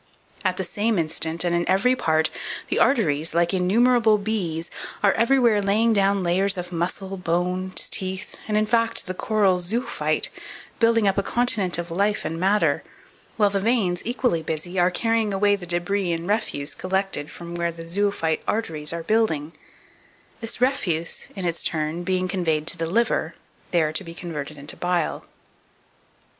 At the same instant, and in every part, the arteries, like innumerable bees, are everywhere laying down layers of muscle, bones, teeth, and, in fact, like the coral zoophyte, building up a continent of life and matter; while the veins, equally busy, are carrying away the débris and refuse collected from where the zoophyte arteries are building, this refuse, in its turn, being conveyed to the liver, there to be converted into bile.